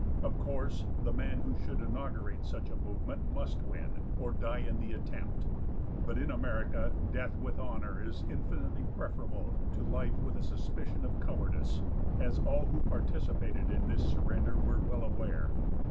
Of course, the man who should inaugurate such a movement must win, or die in the attempt, but in America death with honor is infinitely preferable to life with a suspicion of cowardice, as all who participated in this surrender were well aware.